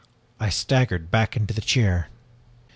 I staggered back to the chair.